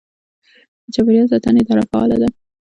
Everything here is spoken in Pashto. د چاپیریال ساتنې اداره فعاله ده.